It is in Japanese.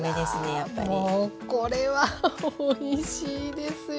あらもうこれはおいしいですよ。